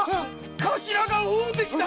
頭が大関だ！